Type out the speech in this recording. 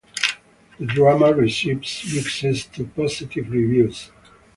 The drama received mixed to positive reviews.